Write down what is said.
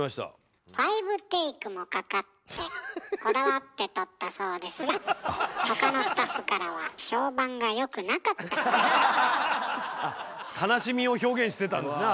５テイクもかかってこだわって撮ったそうですが他のスタッフからは悲しみを表現してたんですねあれで。